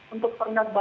untuk pernah berjalan